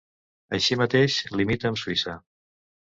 Així mateix, limita amb Suïssa.